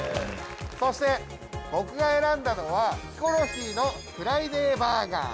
そして僕が選んだのはヒコロヒーのフライデーバーガー。